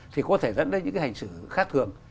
thì có thể dẫn đến những cái hành xử khác thường